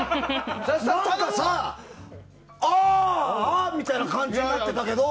なんかさ、あーあみたいな感じになってたけど。